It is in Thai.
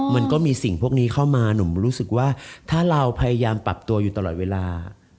มันก็มีสิ่งพวกนี้เข้ามาหนุ่มรู้สึกว่าถ้าเราพยายามปรับตัวอยู่ตลอดเวลา